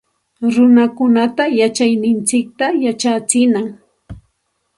Runakunata yachayninchikta yachachinam